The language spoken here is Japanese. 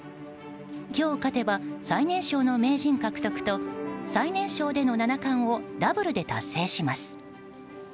今日勝てば最年少の名人獲得と最年少での七冠をダブルで達成します。